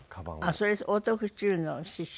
それオートクチュールの刺繍？